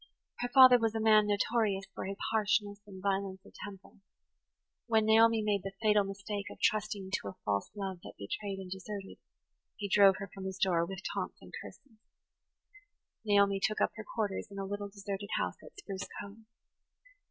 Her father was a man notorious for his harshness and violence of temper. When Naomi made the fatal mistake of trusting to a false love that betrayed and deserted, he drove her from his door with taunts and curses. Naomi took up her quarters in a little deserted house at Spruce Cove.